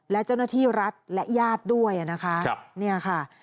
และเจ้าหน้าที่รัฐและญาติด้วยนะคะเนี่ยค่ะ